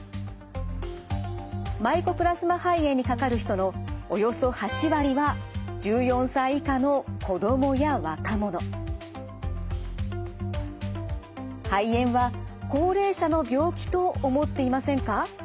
マイコプラズマ肺炎にかかる人のおよそ肺炎は高齢者の病気と思っていませんか。